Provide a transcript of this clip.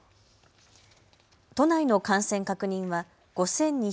都内の感染確認は５２４７人。